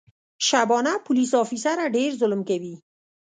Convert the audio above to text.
شبانه پولیس افیسره ډېر ظلم کوي.